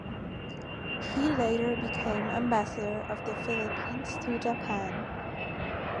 He later became ambassador of the Philippines to Japan.